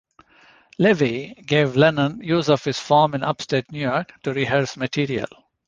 Levy gave Lennon use of his farm in upstate New York to rehearse material.